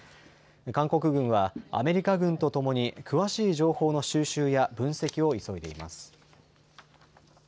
韓国軍はアメリカ軍とともに詳しい情報の収集や分析を急いでいます。